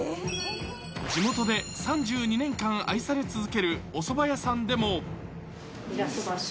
地元で３２年間愛され続けるおそば屋さんでも。